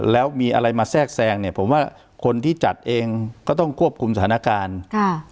แล้วมีอะไรมาแทรกแทรงเนี่ยผมว่าคนที่จัดเองก็ต้องควบคุมสถานการณ์ค่ะ